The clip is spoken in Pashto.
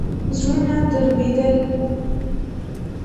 زړونه دربېدل.